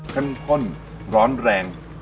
เช่นข้นเหล้อนแรง